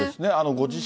ご自身